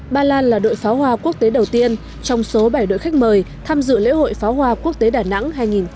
ba lan là đội pháo hoa quốc tế đầu tiên trong số bảy đội khách mời tham dự lễ hội pháo hoa quốc tế đà nẵng hai nghìn một mươi chín